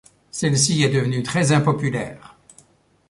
Celle-ci est devenue très impopulaire.